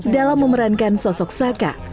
dalam memerankan sosok saka